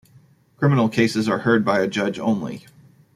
Criminal cases are heard by a judge only.